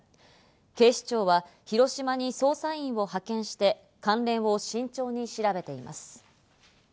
警視庁は広島に捜査員を派遣して関連を慎重に調べています。